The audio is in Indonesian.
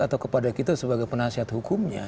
atau kepada kita sebagai penasihat hukumnya